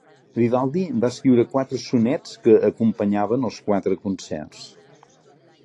Vivaldi va escriure quatre sonets, que acompanyaven els quatre concerts.